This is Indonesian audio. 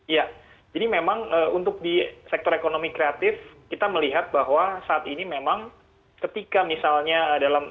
ya jadi memang untuk di sektor ekonomi kreatif kita melihat bahwa saat ini memang ketika misalnya dalam